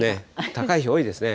高い日、多いですね。